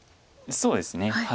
そうですね